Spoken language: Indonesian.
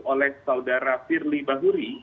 oleh saudara firly bahuri